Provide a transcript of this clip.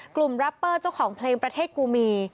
แรปเปอร์เจ้าของเพลงประเทศกูมี